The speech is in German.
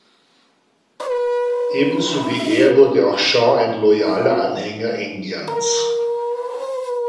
Ebenso wie er wurde auch Jean ein loyaler Anhänger Englands.